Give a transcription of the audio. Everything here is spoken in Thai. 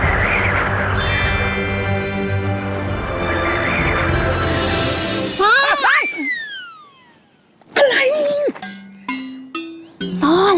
ตอนที่เสาเข้าไปก็ต้องเตอร์ลื่อง